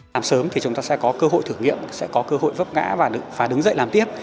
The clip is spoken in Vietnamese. làm sớm thì chúng ta sẽ có cơ hội thử nghiệm sẽ có cơ hội vấp ngã và đứng dậy làm tiếp